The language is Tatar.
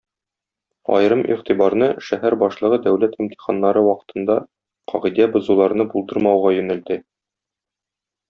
Аерым игътибарны шәһәр башлыгы дәүләт имтиханнары вакытында кагыйдә бозуларны булдырмауга юнәлтә.